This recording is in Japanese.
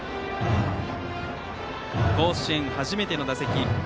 甲子園初めての打席。